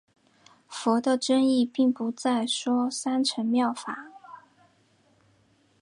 佛的真意并不再说三乘妙法。